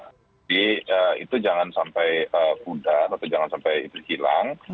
jadi itu jangan sampai pudar atau jangan sampai hilang